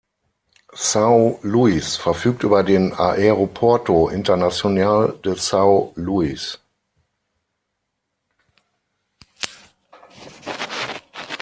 São Luís verfügt über den Aeroporto Internacional de São Luís.